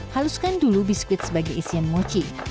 haluskan dulu biskuit sebagai isian mochi